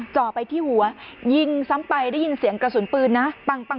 จ่อไปที่หัวยิงซ้ำไปได้ยินเสียงกระสุนปืนนะปัง